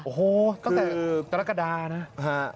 โอ้โฮก็แต่กรกฎานะ